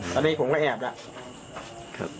ตอนนี้ผมก็แอบแล้ว